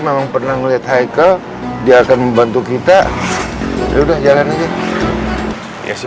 memang pernah melihat haikel dia akan membantu kita sudah jalan aja ya sih